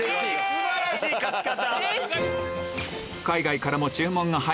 素晴らしい勝ち方。